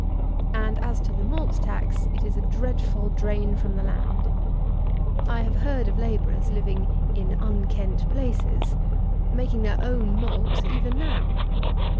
And as to the malt tax, it is a dreadful drain from the land. I have heard of labourers, living "in unkent places," making their own malt, even now!